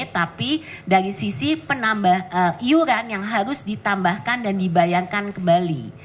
tapi dari sisi penambah iuran yang harus ditambahkan dan dibayangkan kembali